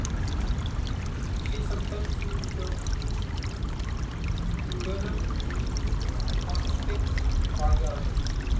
She sometimes used the pseudonym Constance Bayard.